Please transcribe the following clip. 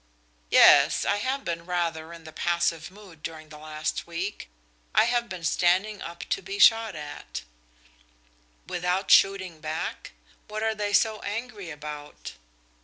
"Yes, I have been rather in the passive mood during the last week. I have been standing up to be shot at." "Without shooting back? What are they so angry about?"